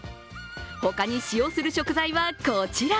他に使用する食材はこちら。